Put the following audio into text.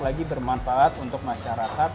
lagi bermanfaat untuk masyarakat